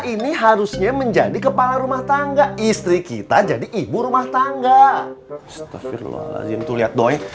ini harusnya menjadi kepala rumah tangga istri kita jadi ibu rumah tangga